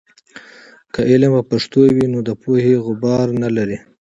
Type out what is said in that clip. که علم په پښتو وي، نو د پوهې غبار نلري.